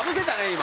今。